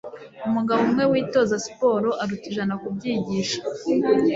Umugabo umwe witoza siporo aruta ijana kubyigisha.